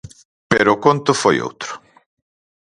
Pero o conto foi outro.